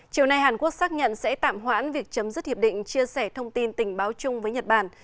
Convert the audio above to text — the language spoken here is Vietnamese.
chiều nay hàn quốc xác nhận sẽ tạm hoãn việc chấm dứt hiệp định chia sẻ thông tin tình báo chung với nhật bản